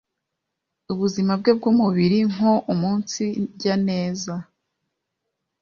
ubuzima bwe bw’umubiri nko umunsirya neza